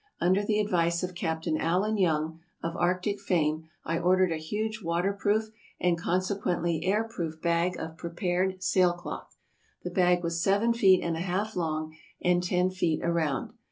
Under the ad vice of Captain Allen Young, of Arctic fame, I ordered a huge water proof and, consequently, air proof, bag of pre pared sail cloth. The bag was seven feet and a half long and ten feet around.